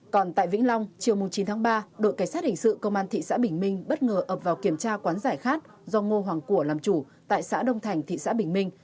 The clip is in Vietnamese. còn tại vĩnh long chiều chín tháng ba đội cảnh sát hình sự công an thị xã bình minh bất ngờ ập vào kiểm tra quán giải khát do ngô hoàng của làm chủ tại xã đông thành thị xã bình minh